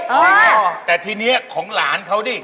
จริงเหรออ๋อแต่ทีนี้ของหลานเขาดิ